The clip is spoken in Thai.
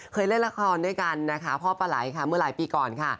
เคยเล่นละครด้วยกันนะคะพ่อปลาไหลค่ะเมื่อหลายปีก่อนค่ะ